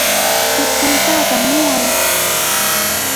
Ch'uspayta apamuway.